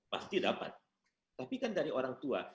pasti dapat tapi kan dari orang tua